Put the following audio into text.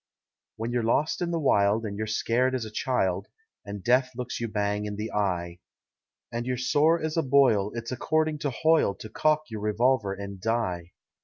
When you're lost in the wild and you're scared as a child, And death looks you bang in the eye; And you're sore as a boil, it's according to Hoyle To cock your revolver and die.